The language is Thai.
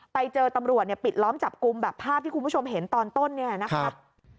ไปเจอตำรวจเนี่ยปิดล้อมจับกลุ่มแบบภาพที่คุณผู้ชมเห็นตอนต้นเนี่ยนะคะ